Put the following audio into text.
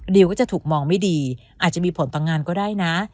ก็จะถูกมองไม่ดีอาจจะมีผลต่องานก็ได้นะ